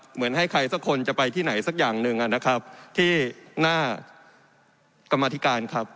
เหมือนให้ใครสักคนจะไปที่ไหนสักอย่างหนึ่งนะครับที่หน้ากรรมธิการครับ